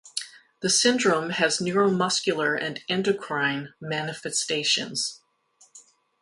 The syndrome has neuromuscular and endocrine manifestations.